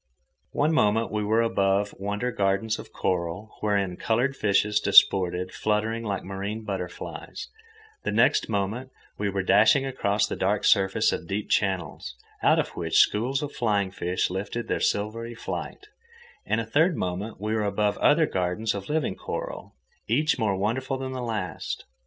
One moment we were above wonder gardens of coral, wherein coloured fishes disported, fluttering like marine butterflies; the next moment we were dashing across the dark surface of deep channels, out of which schools of flying fish lifted their silvery flight; and a third moment we were above other gardens of living coral, each more wonderful than the last.